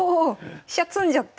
飛車詰んじゃった！